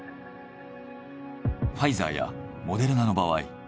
ファイザーやモデルナの場合